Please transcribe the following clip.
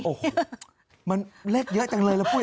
โอ้โหมันเลขเยอะจังเลยแล้วปุ้ย